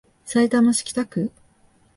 さいたま市北区